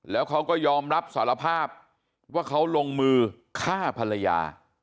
แล้วเขาก็ยอมรับสารภาพว่าเขาลงมือฆ่าภรรยา